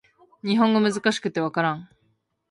日本語難しくて分からん